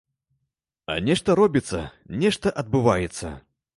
А нешта робіцца, нешта адбываецца.